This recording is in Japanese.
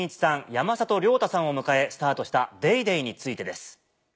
山里亮太さんを迎えスタートした『ＤａｙＤａｙ．』についてです。